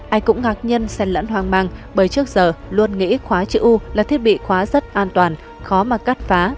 ai cũng ngạc nhiên xen lẫn hoang mang bởi trước giờ luôn nghĩ khóa chữ u là thiết bị khóa rất an toàn khó mà cắt phá